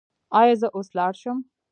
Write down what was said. ایا زه اوس لاړ شم؟